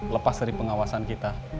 lepas dari pengawasan kita